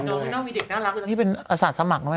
น้องมีเด็กน่ารักนี่เป็นอาศาสตร์สมัครนะแม่